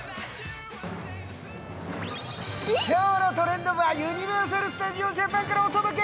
今日の「トレンド部」はユニバーサル・スタジオ・ジャパンからお届け。